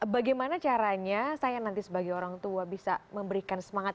bagaimana caranya saya nanti sebagai orang tua bisa memberikan semangat